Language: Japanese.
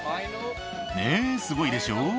「ねぇすごいでしょ」